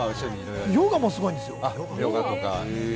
ヨガもすごいんですよ。